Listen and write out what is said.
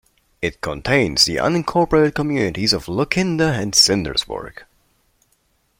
It contains the unincorporated communities of Lucinda and Snydersburg.